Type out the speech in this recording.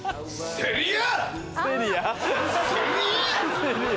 セリア！